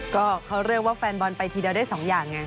ก็เขาเรียกว่าแฟนบอลไปทีเดียวได้๒อย่างไง